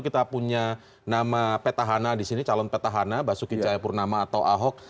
kita punya nama peta hana di sini calon peta hana basuki cahayapurnama atau ahok